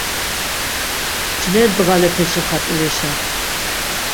Mcve ndğalepeşi xat̆irişa.